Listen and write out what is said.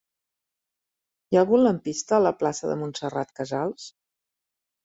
Hi ha algun lampista a la plaça de Montserrat Casals?